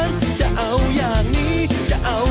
แบบนี้ก็ได้